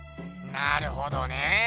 なるほどね。